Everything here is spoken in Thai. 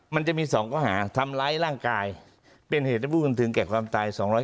มันจะมีสองข้อหาทำร้ายร่างกายเป็นเหตุผู้กันถึงแก่ความตายสองร้อย